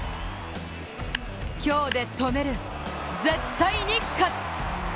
今日で止める、絶対に勝つ。